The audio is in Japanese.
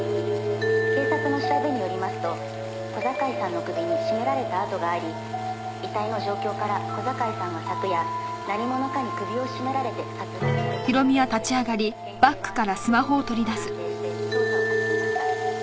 「警察の調べによりますと小坂井さんの首に絞められた痕があり遺体の状況から小坂井さんは昨夜何者かに首を絞められて殺害されたものと見て県警は殺人事件と断定して捜査を始めました」